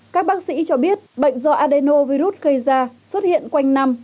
các bác sĩ cho biết bệnh do adenovirus gây ra xuất hiện quanh năm